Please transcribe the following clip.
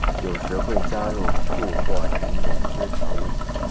有时会加入醋或柠檬汁调味。